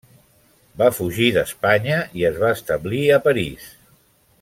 Va fugir d'Espanya i es va establir a París.